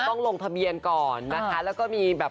ต้องลงทะเบียนก่อนนะคะแล้วก็มีแบบ